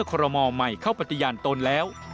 คอรมอลใหม่เข้าปฏิญาณตนแล้ว